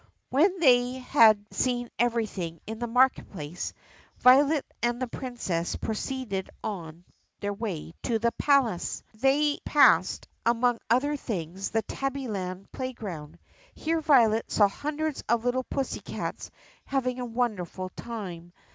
When they had seen everything in the market place, Violet and the Princess proceeded on their way to the palace. They passed, among other things, the Tabbyland playground. Here Violet saw hundreds of little pussycats having a wonder ful time.